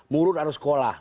murud harus sekolah